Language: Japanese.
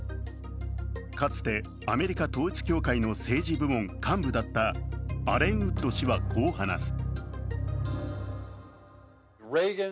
かつてアメリカ統一教会の政治部門幹部だったアレン・ウッド氏はこう話す。